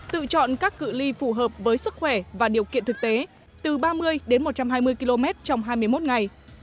tự chọn các cự ly phù hợp với sức khỏe và điều kiện thực tế từ ba mươi đến một trăm hai mươi km trong hai mươi một ngày